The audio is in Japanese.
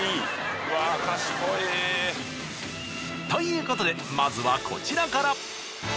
ということでまずはこちらから。